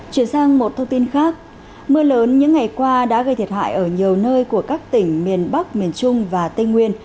chuyển sang một thông tin khác mưa lớn những ngày qua đã gây thiệt hại ở nhiều nơi của các tỉnh miền bắc miền trung và tây nguyên